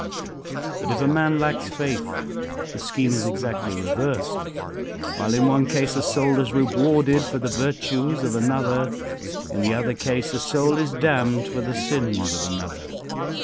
But if a man lacks faith the scheme is exactly reversed. While in one case a soul is rewarded for the virtues of another, in the other case a soul is damned for the sins of another.